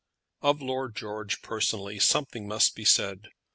Of Lord George personally something must be said.